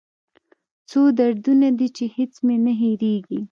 څو دردونه دي چې هېڅ مې نه هېریږي